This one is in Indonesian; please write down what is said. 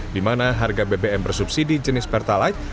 di mana harga bbm bersubsidi jenis pertalite